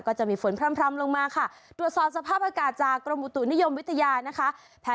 ก็จะมีฝนพร่ำลงมาค่ะตรวจสอบสภาพอากาศจากกรมอุตุนิยมวิทยานะคะ